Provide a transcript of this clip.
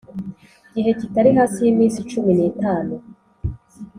gihe kitari hasi y iminsi cumi n itanu